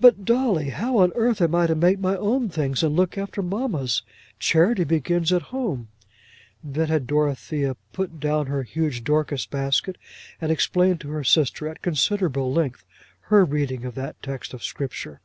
"But, Dolly, how on earth am I to make my own things, and look after mamma's? Charity begins at home." Then had Dorothea put down her huge Dorcas basket, and explained to her sister, at considerable length, her reading of that text of Scripture.